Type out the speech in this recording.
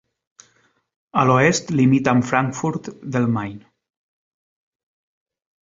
A l'oest limita amb Frankfurt del Main.